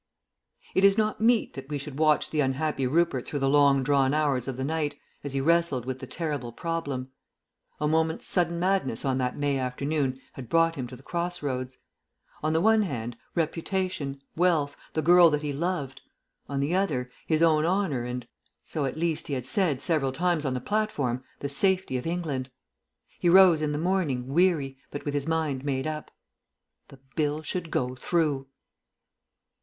It is not meet that we should watch the unhappy Rupert through the long drawn hours of the night, as he wrestled with the terrible problem. A moment's sudden madness on that May afternoon had brought him to the cross roads. On the one hand, reputation, wealth, the girl that he loved; on the other, his own honour and so, at least, he had said several times on the platform the safety of England. He rose in the morning weary, but with his mind made up. The Bill should go through!